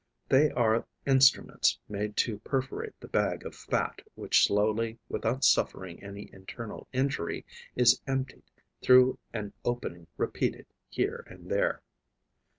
They are instruments made to perforate the bag of fat which slowly, without suffering any internal injury, is emptied through an opening repeated here and there.